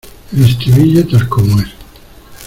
el estribillo tal como es.